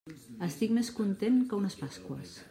Estic més content que unes pasqües!